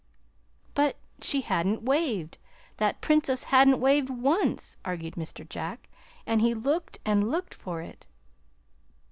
'" "But she hadn't waved that Princess hadn't waved once!" argued Mr. Jack; "and he looked and looked for it."